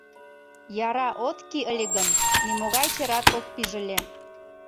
— Яра от кий ыле гын, нимогай черат ок пиж ыле.